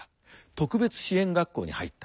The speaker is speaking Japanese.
特別支援学校に入った。